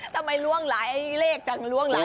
ทำไมล้วงหลายเลขจังล้วงหลายอัน